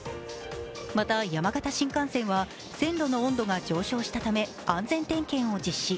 また、山形新幹線は線路の温度が上昇したため、安全点検を実施。